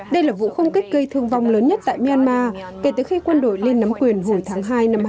đây là vụ không kích gây thương vong lớn nhất tại myanmar kể từ khi quân đội lên nắm quyền hồi tháng hai năm hai nghìn một mươi ba